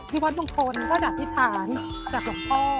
ที่วัดบางคนก็จะอธิษฐานจากลูกพ่อ